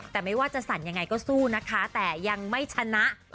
แต่ไม่ว่าจะสั่นยังไงก็สู้นะคะแต่ยังไม่ชนะ